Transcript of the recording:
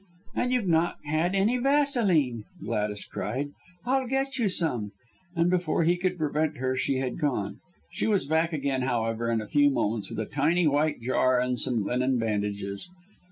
"And you've not had any vaseline," Gladys cried. "I'll get you some," and before he could prevent her she had gone. She was back again, however, in a few moments with a tiny white jar and some linen bandages.